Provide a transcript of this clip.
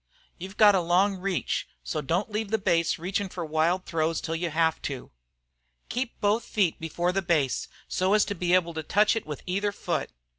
You've got a long reach, so don't leave the base in reachin' for wild throws till you have to. Keep both feet before the base, so as to be able to touch it with either foot.